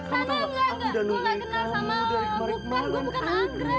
aku jagain kamu andri